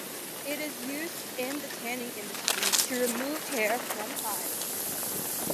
It is used in the tanning industry to remove hair from hides.